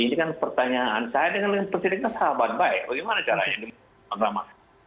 ini kan pertanyaan saya dengan presiden kan sahabat baik bagaimana caranya